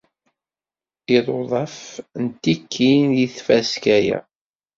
Iduḍaf n tikkin di tfaska-a.